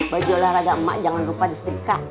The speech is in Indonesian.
baju olahraga emak jangan lupa di setrika